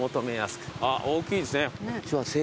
あっ大きいですね。